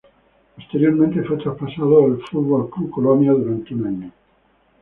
Posteriormente fue traspasado al F. C. Colonia durante un año.